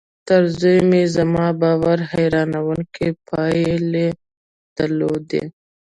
پر زوی مې زما باور حيرانوونکې پايلې درلودې.